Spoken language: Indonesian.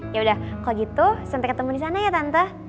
yaudah kalau gitu santai ketemu disana ya tante